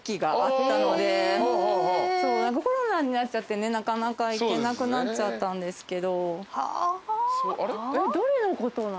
コロナになっちゃってなかなか行けなくなっちゃったんですけど。